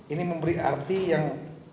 ini memberi arti yang